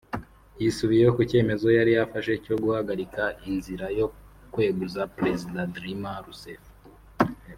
yisubiyeho ku cyemezo yari yafashe cyo guhagarika inzira yo kweguza Perezida Dilma Rousseff